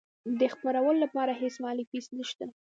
د خپرولو لپاره هیڅ مالي فیس نشته.